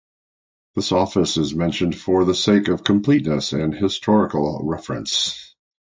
This office is mentioned for the sake of completeness and historical reference.